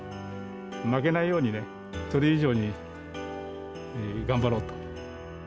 負けないように、それ以上に頑張ろうと。